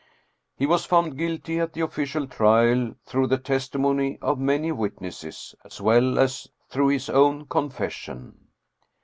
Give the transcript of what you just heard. ' He was found guilty at the official trial, through the testimony of many witnesses, as well as through his own confession.